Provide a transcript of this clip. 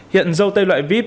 hiện râu tây loại vip